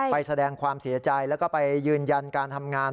ไปแสดงความเสียใจแล้วก็ไปยืนยันการทำงาน